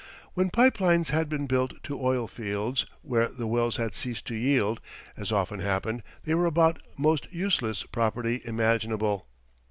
When pipe lines had been built to oil fields where the wells had ceased to yield, as often happened, they were about the most useless property imaginable.